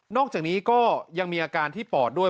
อกจากนี้ก็ยังมีอาการที่ปอดด้วย